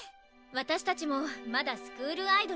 私たちもまだスクールアイドルだし。